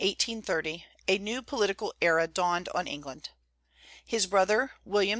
in 1830, a new political era dawned on England. His brother, William IV.